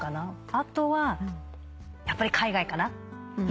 あとはやっぱり海外かな。